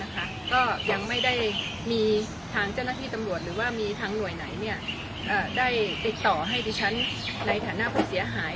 ก็ยังไม่ได้มีทางเจ้าหน้าที่ตำรวจหรือว่ามีทางหน่วยไหนได้ติดต่อให้ดิฉันในฐานะผู้เสียหาย